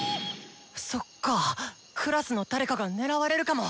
そっかクラスの誰かが狙われるかも！